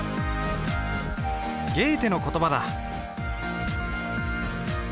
ゲーテの言葉だ。